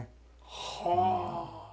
はあ。